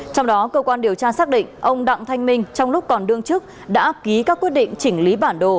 trong đó cơ quan điều tra xác định ông đặng thanh minh trong lúc còn đương chức đã ký các quyết định chỉnh lý bản đồ